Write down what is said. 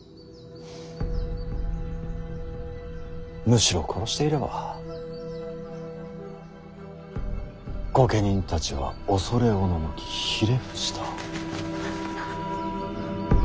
むしろ殺していれば御家人たちは恐れおののきひれ伏した。